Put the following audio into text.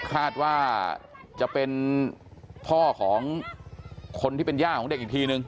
คาดว่าจะเป็นพ่อของคนที่เป็นย่าของเด็กอีกทีนึง